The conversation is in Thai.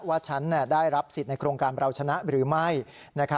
ว่าฉันได้รับสิทธิ์ในโครงการเราชนะหรือไม่